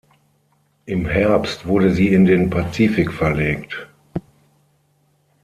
Im Herbst wurde sie in den Pazifik verlegt.